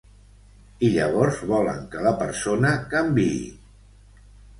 I llavors volen que la persona canviï.